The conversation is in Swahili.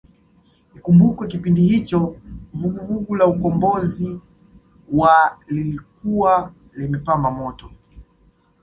Ikumbukwe kipindi hicho vuguvugu la Ukombozi wa lilikuwa limepamba moto